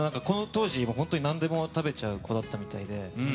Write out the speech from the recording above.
当時、何でも食べちゃう子だったみたいで。